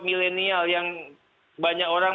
milenial yang banyak orang